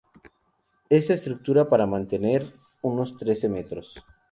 Esta estructura para mantener unos trece metros.